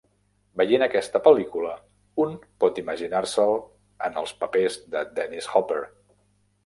Veient aquesta pel·lícula, un pot imaginar-se'l en els papers de Dennis Hopper.